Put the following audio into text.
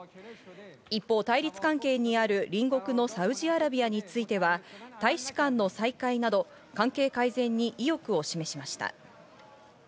一方、対立関係にある隣国のサウジアラビアについては、大使館の再開など関係改善に意欲を示しました。